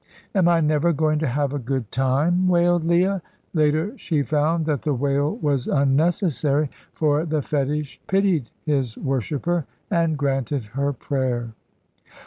"Am I never going to have a good time?" wailed Leah. Later she found that the wail was unnecessary, for the fetish pitied his worshipper and granted her prayer.